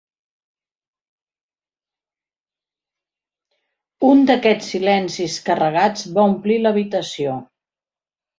Un d'aquests silencis carregats va omplir l'habitació.